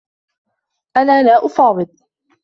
أنا لا أفاوض.